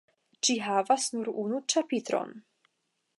Ĝi havas nur unu ĉapitron.